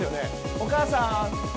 お母さん。